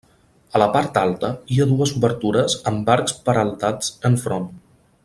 A la part alta hi ha dues obertures amb arcs peraltats enfront.